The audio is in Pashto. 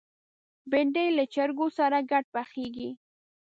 بېنډۍ له چرګو سره ګډ پخېږي